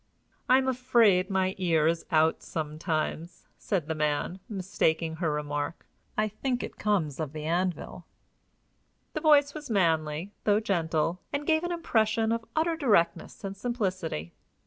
"I am afraid my ear is out sometimes," said the man, mistaking her remark. "I think it comes of the anvil." The voice was manly, though gentle, and gave an impression of utter directness and simplicity.